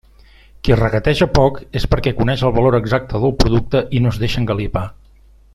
Qui regateja poc és perquè coneix el valor exacte del producte i no es deixa engalipar.